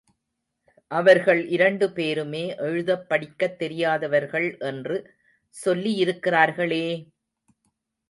அவர்கள் இரண்டு பேருமே எழுதப் படிக்கத் தெரியாதவர்கள் என்று சொல்லியிருக்கிறார்களே!